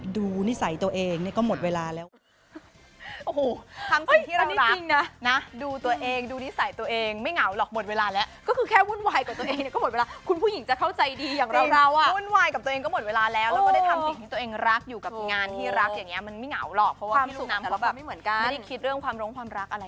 ดูนิสัยตัวเองก็หมดเวลาแล้ว